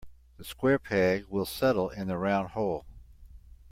The square peg will settle in the round hole.